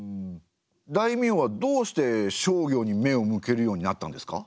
大名はどうして商業に目を向けるようになったんですか？